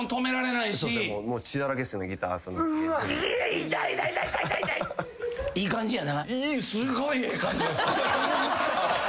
いい感じやな。